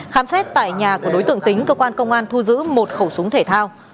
khám xét tại nhà của đối tượng tính cơ quan công an thu giữ một khẩu súng thể thao